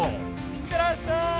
いってらっしゃい！